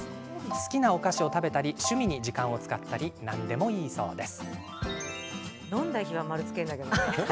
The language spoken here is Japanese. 好きなお菓子を食べたり趣味に時間を使ったり何でもいいそうです。